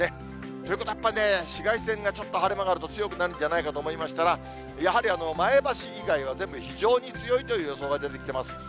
ということはやっぱりね、紫外線がちょっと晴れ間があると強くなるんじゃないかなと思いますから、やはり前橋以外は全部、非常に強いという予想が出てきてます。